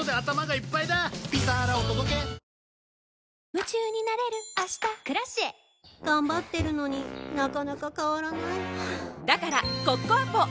夢中になれる明日「Ｋｒａｃｉｅ」頑張ってるのになかなか変わらないはぁだからコッコアポ！